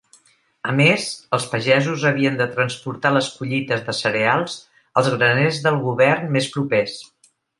A més, els pagesos havien de transportar les collites de cereals als graners del govern més propers.